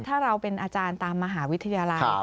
ถ้าเราเป็นอาจารย์ตามมหาวิทยาลัย